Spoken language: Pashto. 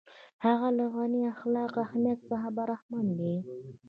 هغه له عیني اخلاقي اهمیت څخه برخمن دی.